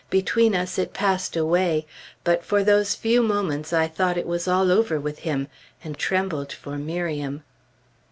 Between us, it passed away; but for those few moments I thought it was all over with him, and trembled for Miriam.